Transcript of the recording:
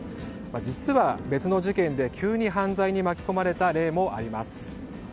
実は別の事件で急に犯罪に巻き込まれた例もあります。